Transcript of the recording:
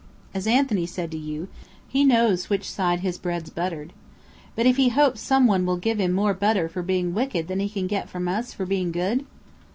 "As Anthony said to you, he knows which side his bread's buttered." "But if he hopes some one will give him more butter for being wicked than he can get from us for being good?"